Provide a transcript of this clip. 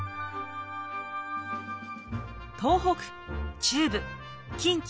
東北中部近畿